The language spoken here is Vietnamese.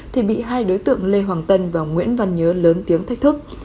thì bị hai đối tượng lê hoàng tân và nguyễn văn nhớ lớn tiếng thách thức